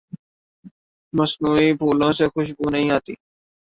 مصنوعی پھولوں سے خوشبو نہیں آتی